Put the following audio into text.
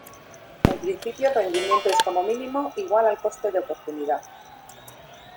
En principio, el rendimiento es como mínimo igual al coste de oportunidad.